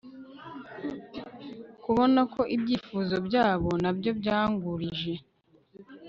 Kubona ko ibyifuzo byabo nabyo byangurije